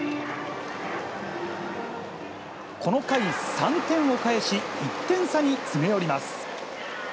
この回、３点を返し、１点差に詰め寄ります。